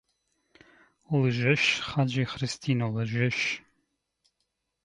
Лъжеш, хаджи Христино, лъжеш!